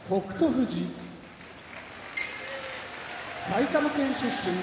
富士埼玉県出身